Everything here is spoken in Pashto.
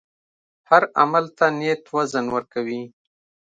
هر عمل ته نیت وزن ورکوي.